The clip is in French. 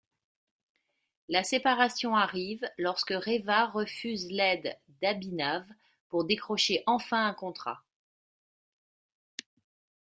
La séparation arrive lorsque Reva refuse l’aide d’Abhinav pour décrocher enfin un contrat.